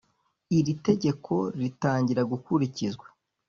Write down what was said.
Iri tegeko ritangira gukurikizwa